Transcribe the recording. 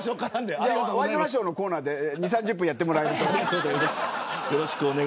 ワイドナショーのコーナーで２０分３０分やってもらえると。